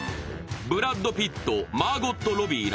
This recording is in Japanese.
ブラッド・ピット、マーゴット・ロビーら